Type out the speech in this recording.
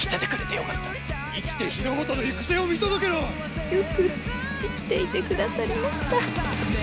よく生きていてくださりました。